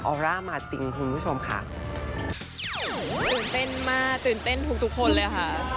อร่ามาจริงคุณผู้ชมค่ะตื่นเต้นมากตื่นเต้นทุกทุกคนเลยค่ะ